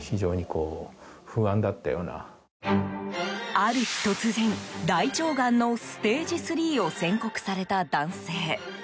ある日、突然大腸がんのステージ３を宣告された男性。